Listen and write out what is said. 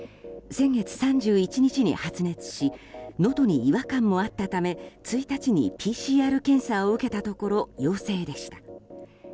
先月３１日に発熱しのどに違和感もあったため１日にＰＣＲ検査を受けたところ陽性でした。